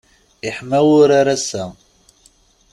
Iḥma wurar ass-a.